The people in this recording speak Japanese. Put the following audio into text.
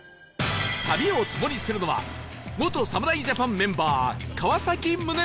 旅を共にするのは元侍ジャパンメンバー川宗則